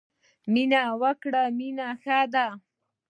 مینه وکړی مینه ښه ده.